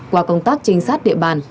qua công tác trinh sát địa bàn